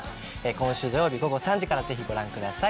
今週土曜日午後３時からぜひご覧ください